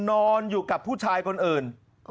นอนอยู่กับผู้ชายคนอื่น